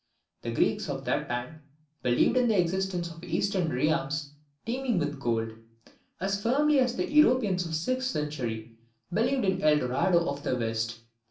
The Greeks of that time believed in the existence of Eastern realms teeming with gold, as firmly as the Europeans of the sixteenth century believed in Eldorado of the West.